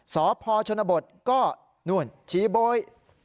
สพชบก็ชี้โบ้ย